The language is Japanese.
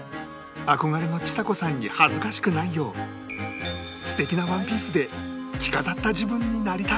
憧れのちさ子さんに恥ずかしくないよう素敵なワンピースで着飾った自分になりたい